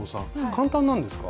簡単なんですか？